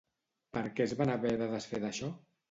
Per què es van haver de desfer d'això?